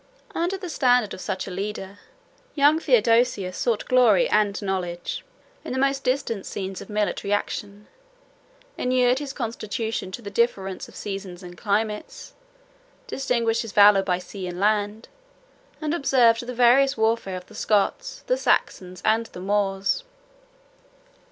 109 Under the standard of such a leader, young Theodosius sought glory and knowledge, in the most distant scenes of military action; inured his constitution to the difference of seasons and climates; distinguished his valor by sea and land; and observed the various warfare of the Scots, the Saxons, and the Moors.